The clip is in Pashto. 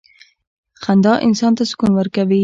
• خندا انسان ته سکون ورکوي.